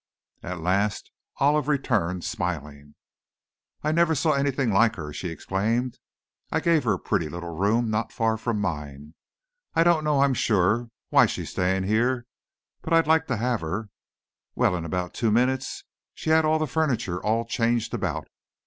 At last Olive returned, smiling. "I never saw anything like her!" she exclaimed; "I gave her a pretty little room, not far from mine. I don't know, I'm sure, why she's staying here, but I like to have her. Well, in about two minutes she had the furniture all changed about.